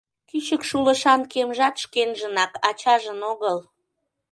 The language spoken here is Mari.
Кӱчык шулышан кемжат шкенжынак, ачажын огыл.